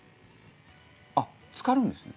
あっつかるんですね？